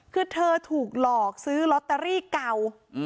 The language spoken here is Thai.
คือเธอถูกหลอกซื้อลอตเตอรี่เก่า